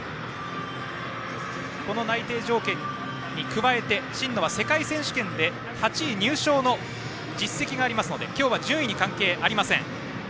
この内定条件に加えて真野は、世界選手権で８位入賞の実績がありますので今日は順位に関係ありません。